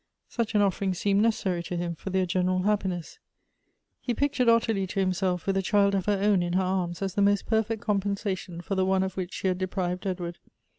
Such an offering seemed necessary to him for their general happiness. He pic tured Ottilie to himself with a child of her own in her arms as the most perfect compensation for the one of which she had deprived Edward.